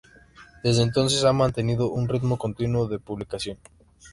Desde entonces ha mantenido un ritmo continuo de publicación.